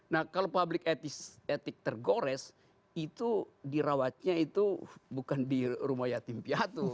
nah kalau public etik tergores itu dirawatnya itu bukan di rumah yatim piatu